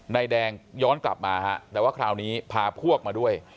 นายแดงย้อนกลับมาฮะแต่ว่าคราวนี้พาพวกมาด้วย